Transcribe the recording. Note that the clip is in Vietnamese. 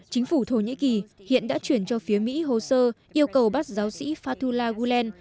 chính phủ thổ nhĩ kỳ hiện đã chuyển cho phía mỹ hồ sơ yêu cầu bắt giáo sĩ fatula gulen